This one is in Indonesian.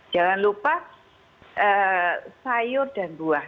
jangan lupa sayur dan buah